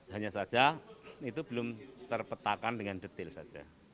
hanya saja itu belum terpetakan dengan detail saja